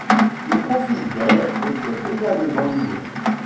Le profil d'aile était également nouveau.